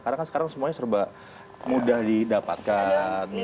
karena kan sekarang semuanya serba mudah didapatkan